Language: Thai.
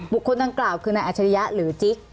บุคคลตังค์กล่าวคือไอนอัชริยะหรือจิ๊ก